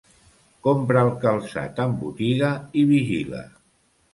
Compra el calçat en botiga i vigila.